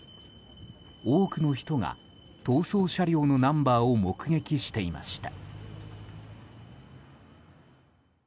多くの人が逃走車両のナンバーを目撃していました。